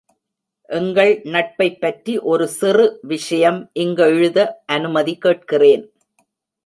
எங்கள் நட்பைப்பற்றி ஒரு சிறு விஷயம் இங்கெழுத அனுமதி கேட்கிறேன்.